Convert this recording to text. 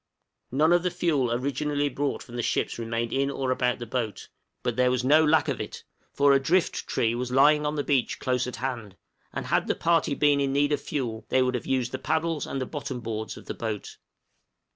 None of the fuel originally brought from the ships remained in or about the boat, but there was no lack of it, for a drift tree was lying on the beach close at hand, and had the party been in need of fuel they would have used the paddles and bottom boards of the boat.